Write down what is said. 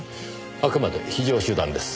あくまで非常手段です。